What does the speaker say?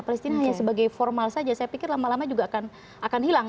palestina hanya sebagai formal saja saya pikir lama lama juga akan hilang